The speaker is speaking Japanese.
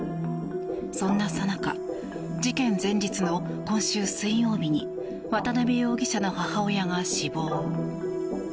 そんなさなか事件前日の今週水曜日に渡邊容疑者の母親が死亡。